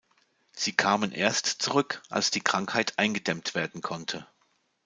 Sie kamen erst zurück, als die Krankheit eingedämmt werden konnte.